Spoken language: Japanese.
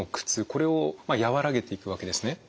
これを和らげていくわけですね。